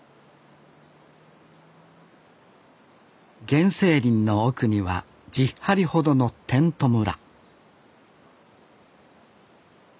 原生林の奥には１０張ほどのテント村